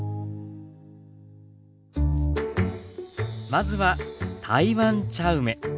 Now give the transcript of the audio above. まずは台湾茶梅。